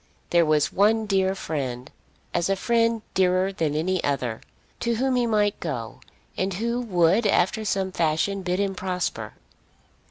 There was one dear friend, as a friend dearer than any other, to whom he might go, and who would after some fashion bid him prosper.